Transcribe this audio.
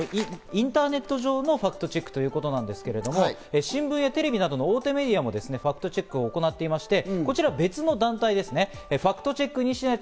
今回はインターネット上のファクトチェックということなんですけど、新聞やテレビなどの大手メディアもファクトチェックを行っていまして、こちら別の団体ですね。